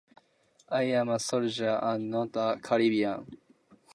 I am a soldier and not a civilian.